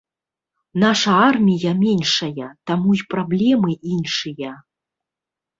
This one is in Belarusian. Наша армія меншая, таму і праблемы іншыя.